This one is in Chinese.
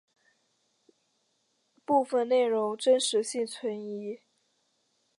部分内容真实性存疑。